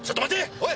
おい！